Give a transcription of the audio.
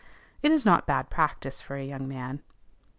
It is not bad practice for a young man.